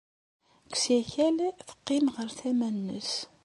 Deg usakal, teqqim ɣer tama-nnes.